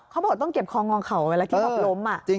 เขาบอกต้องเก็บคองงอเข่าเวลาที่รถล้ม